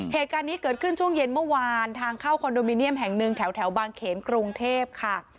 เหตุการณ์นี้เกิดขึ้นช่วงเย็นเมื่อวานทางเข้าคอนโดมิเนียมแห่งหนึ่งแถวบางเขนกรุงเทพค่ะ